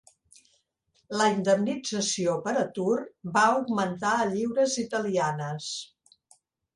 La indemnització per atur va augmentar a lliures italianes.